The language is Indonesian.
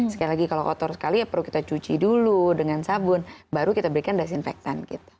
sekali lagi kalau kotor sekali ya perlu kita cuci dulu dengan sabun baru kita berikan desinfektan